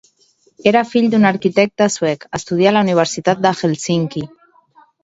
Era fill d'un arquitecte suec, estudià a la Universitat de Hèlsinki.